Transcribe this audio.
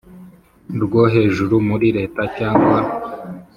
Rwo hejuru muri leta cyangwa